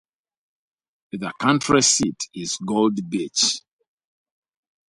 The county seat is Gold Beach.